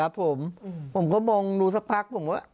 ผมก็ดูสักพัก